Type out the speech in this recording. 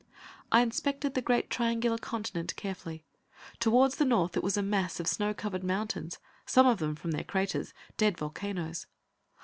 I inspected the great, triangular continent carefully. Towards the north it was a mass of snow covered mountains, some of them, from their craters, dead volcanoes.